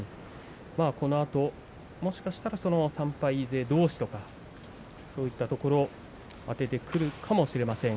このあともしかしたら３敗勢どうしとかそういったところ当ててくるかもしれません。